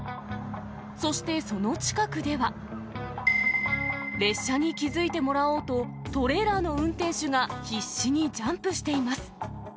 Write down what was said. そしてその近くでは、列車に気付いてもらおうと、トレーラーの運転手が必死にジャンプしています。